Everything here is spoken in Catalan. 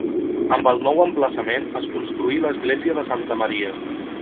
Amb el nou emplaçament es construí l'església de Santa Maria.